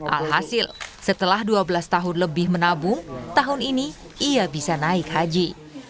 alhasil setelah dua belas tahun lebih menabung tahun ini ia bisa naik haji